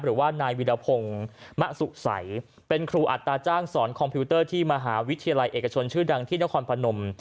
หรือว่านายวิรพงศ์มะสุสัยเป็นครูอัตราจ้างสอนคอมพิวเตอร์ที่มหาวิทยาลัยเอกชนชื่อดังที่นครพนม